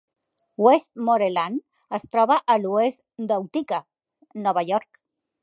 Westmoreland es troba a l'oest d'Utica, Nova York.